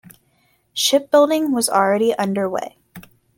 Shipbuilding was already underway.